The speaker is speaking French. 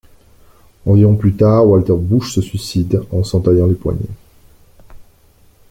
Environ plus tard, Walter Buch se suicide en s'entaillant les poignets.